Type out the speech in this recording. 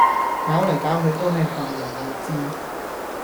搞嚟搞去都係下游位置